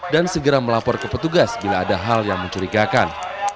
dan segera melapor ke petugas bila ada hal yang mencurigakan